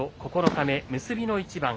９日目、結びの一番。